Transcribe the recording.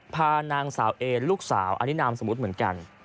พานางสาวเอลูกสาวอันนี้นามสมมุติเหมือนกัน